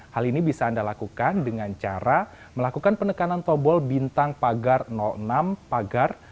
hal ini bisa anda lakukan dengan cara melakukan penekanan tombol bintang pagar enam pagar